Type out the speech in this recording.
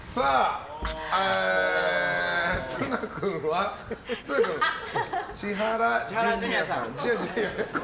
綱君は、千原ジュニアさん。